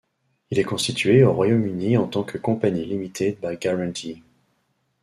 Il est constitué au Royaume-Uni en tant que Company Limited by Guarantee.